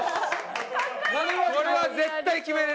これは絶対決めれる。